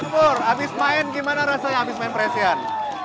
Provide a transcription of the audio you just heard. mur habis main gimana rasanya habis main presian